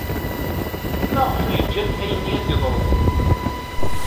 Maɣef ay ǧǧant ayenni ad d-yeḍru?